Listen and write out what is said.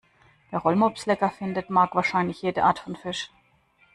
Wer Rollmops lecker findet, mag wahrscheinlich jede Art von Fisch.